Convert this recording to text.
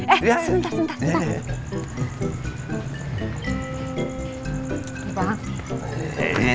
eh sebentar sebentar